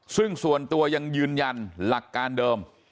ซึ่งส่วนตัวยังยืนยันหลักการเดิม